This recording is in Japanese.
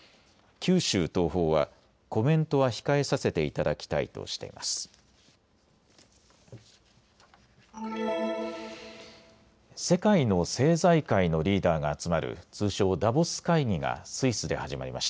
九州東邦はコメントは控えさせていただきたいとしています。